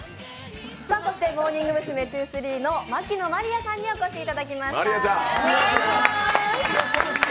そしてモーニング娘’２３の牧野真莉愛さんにお越しいただきました。